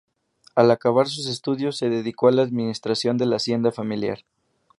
Al acabar sus estudios se dedicó a la administración de la hacienda familiar.